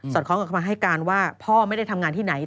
คล้องกับคำให้การว่าพ่อไม่ได้ทำงานที่ไหน